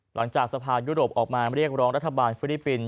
หลังจากสภายุโรปออกมาเรียกร้องรัฐบาลฟิลิปปินส